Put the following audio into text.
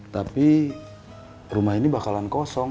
tapi rumah ini bakalan kosong